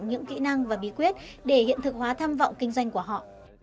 những kỹ năng và bí quyết để hiện thực hóa tham vọng kinh doanh của họ